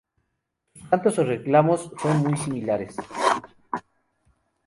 Sus cantos o reclamos son muy similares.